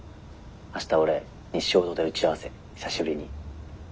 明日俺日粧堂で打ち久しぶりに。